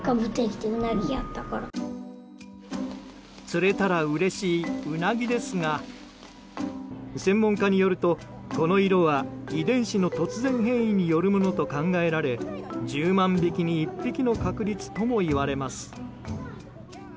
釣れたらうれしいウナギですが専門家によるとこの色は遺伝子の突然変異によるものと考えられ１０万匹に１匹の確率ともいわれます。